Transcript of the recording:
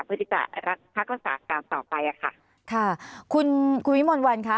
เพื่อที่จะรักษาการต่อไปอ่ะค่ะคุณคุณวิมลวันคะ